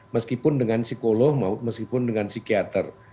meskipun dengan psikolog maupun dengan psikiater